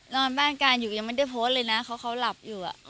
นอนบ้านการอยู่ยังไม่ได้โพสต์เลยนะเพราะเขาหลับอยู่